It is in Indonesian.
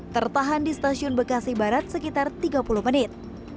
tertahan di stasiun bekasi barat sekitar tiga puluh menit